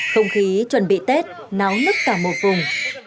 không khí chuẩn bị tết náo nức cả một vùng